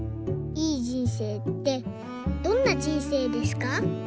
いい人生ってどんな人生ですか？」。